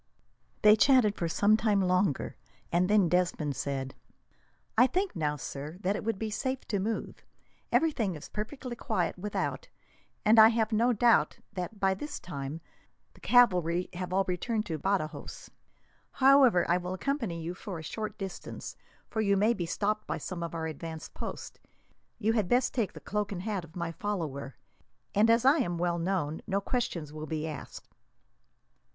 They chatted for some time longer, and then Desmond said: "I think now, sir, that it would be safe to move. Everything is perfectly quiet without, and I have no doubt that, by this time, the cavalry have all returned to Badajos. However, I will accompany you for a short distance, for you may be stopped by some of our advance posts. You had best take the cloak and hat of my follower, and, as I am well known, no questions will then be asked."